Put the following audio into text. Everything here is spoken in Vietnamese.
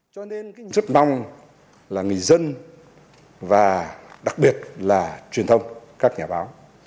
cho nên rất mong là người dân và đặc biệt là truyền thông các nhà báo